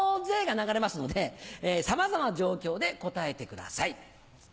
が流れますのでさまざまな状況で答えてください。